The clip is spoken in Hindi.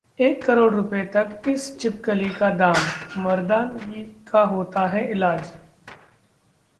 एक करोड़ रु. तक इस छिपकली का दाम, मर्दानगी का होता है इलाज